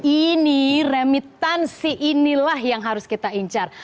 ini remitansi inilah yang harus kita incar